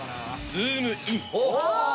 ズームイン！！